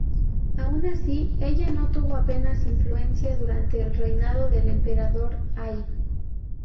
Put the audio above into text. Aun así, ella no tuvo apenas influencia durante el reinado del Emperador Ai.